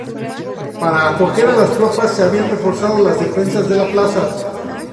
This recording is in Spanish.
Para acoger a las tropas, se habían reforzado las defensas de la plaza.